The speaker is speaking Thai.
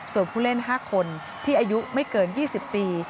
ส่วนผู้เล่น๕คนที่อายุไม่เกิน๒๐ปี